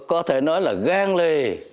có thể nói là găng lì